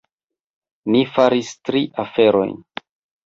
Ni faris tri aferojn.